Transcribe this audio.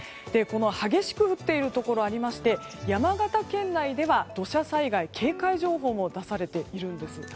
激しく降っているところがありまして、山形県内では土砂災害警戒情報も出されているんです。